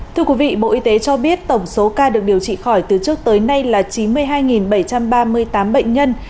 thưa quý vị bộ y tế cho biết tổng số ca được điều trị khỏi từ trước tới nay là chín mươi hai bảy trăm ba mươi tám bệnh nhân